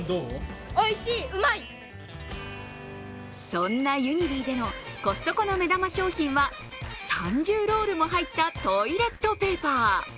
そんなユニディでのコストコの目玉商品は３０ロールも入ったトイレットペーパー。